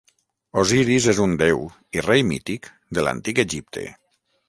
Osiris és un déu i rei mític de l'antic Egipte.